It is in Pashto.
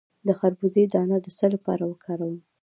د خربوزې دانه د څه لپاره وکاروم؟